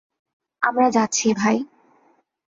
আমরা যাচ্ছি ভাই।